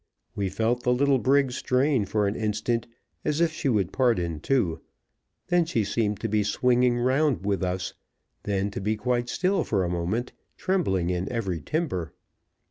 We felt the little brig strain for an instant as if she would part in two, then she seemed to be swinging round with us, then to be quite still for a moment, trembling in every timber.